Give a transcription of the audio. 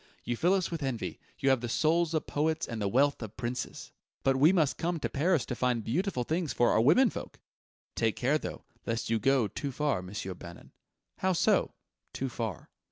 "You fill us with envy: you have the souls of poets and the wealth of princes!" "But we must come to Paris to find beautiful things for our women folk!" "Take care, though, lest you go too far, Monsieur Bannon." "How so too far?"